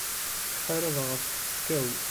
Ttḥarabeɣ ɣef tfekka-w.